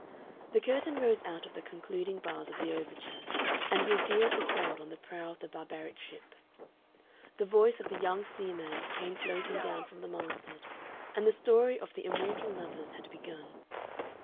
The curtain rose out of the concluding bars of the overture and revealed Isolde on the prow of the barbaric ship. The voice of the young seaman came floating down from the masthead, and the story of the immortal lovers had begun.